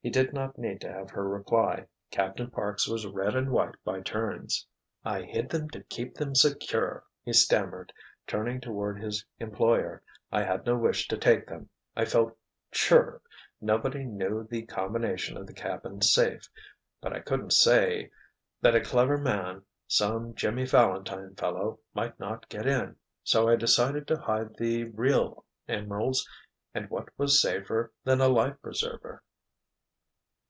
He did not need to have her reply. Captain Parks was red and white by turns. "I hid them to keep them secure!" he stammered, turning toward his employer. "I had no wish to take them. I felt—sure—nobody knew the combination of the cabin safe—but I couldn't say that a clever man, some 'Jimmy Valentine' fellow, might not get in. So I decided to hide the real emeralds—and what was safer than a life preserver?"